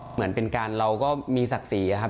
เหมือนเป็นการเราก็มีศักดิ์ศรีอะครับ